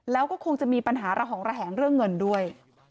แล้วก็คงจะมีปัญหาระหองระแหงเรื่องเงินด้วย